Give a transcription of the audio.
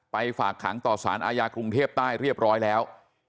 ฝากขังต่อสารอาญากรุงเทพใต้เรียบร้อยแล้ว